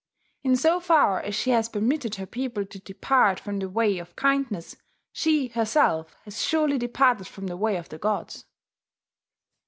In so far as she has permitted her people to depart from the way of kindness, she herself has surely departed from the Way of the Gods....